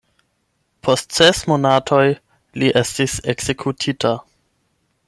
Post ses monatoj li estis ekzekutita.